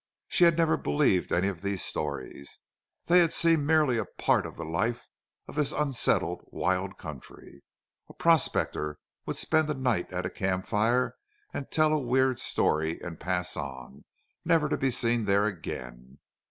She had never believed any of these stories. They had seemed merely a part of the life of this unsettled wild country. A prospector would spend a night at a camp fire and tell a weird story and pass on, never to be seen there again.